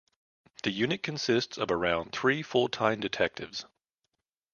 The unit consists of around three full time detectives.